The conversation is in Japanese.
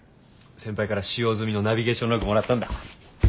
先輩から使用済みのナビゲーションログもらったんだ。